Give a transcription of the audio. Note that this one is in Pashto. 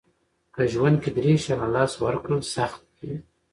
که ژوند کې درې شیان له لاسه ورکړل سخت دي.